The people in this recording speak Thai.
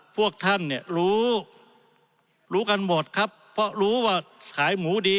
พวกท่านเนี่ยรู้รู้กันหมดครับเพราะรู้ว่าขายหมูดี